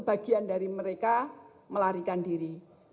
bagian dari mereka melarikan diri